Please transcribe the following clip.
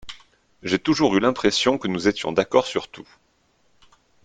J’ai toujours eu l’impression que nous étions d’accord sur tout.